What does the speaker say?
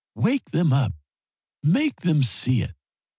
Wake them up! Make them see it!